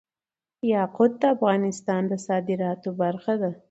یاقوت د افغانستان د صادراتو برخه ده.